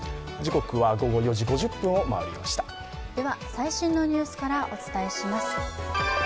最新のニュースからお伝えします。